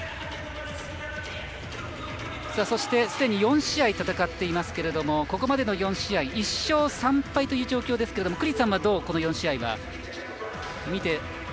そして、すでに４試合戦っていますけれどもここまでの４試合、１勝３敗という状況ですけども